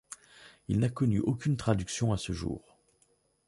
Il n'a connu aucune traduction à ce jour.